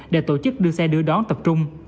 để tổ chức đưa xe đưa đón tập trung